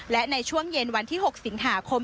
และในช่วงเย็นวันที่๖สิงหาคม